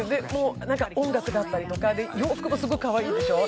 音楽だったりとか、洋服もすごいかわいいでしょう？